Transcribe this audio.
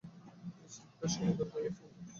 তিনি শিল্পের সমাদরকারীও ছিলেন।